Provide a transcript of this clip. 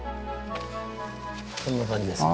こんな感じですね。